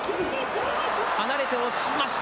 離れて押しました。